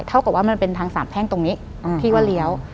เท่ากับว่ามันเป็นทางสามแพ่งตรงนี้พี่ว่าเลี้ยว